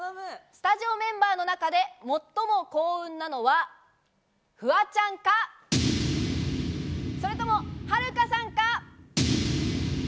スタジオメンバーの中で最も幸運なのは、フワちゃんか、それともはるかさんか。